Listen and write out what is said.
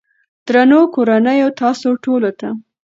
درنو کورنيو تاسو ټولو ته